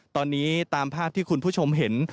ตอนนี้ตามภาพที่คุณผู้ชมเห็น